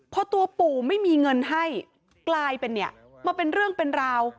พอตัวปู่ไม่มีเงินให้กลายเป็นเนี่ยมาเป็นเรื่องเป็นราว